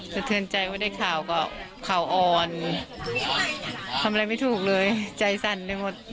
สะเทือนใจว่าได้ข่าวก็ข่าวอ่อนทำอะไรไม่ถูกเลยใจสั่นไปหมด